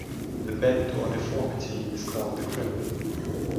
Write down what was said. The bend or deformity is called the crimp.